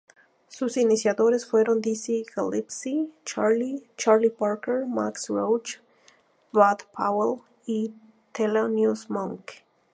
Sus iniciadores fueron Dizzy Gillespie, Charlie Parker, Max Roach, Bud Powell y Thelonious Monk.